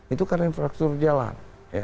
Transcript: itu karena infrastruktur jalan